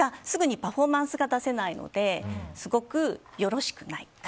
すぐにパフォーマンスが出せないのですごくよろしくない。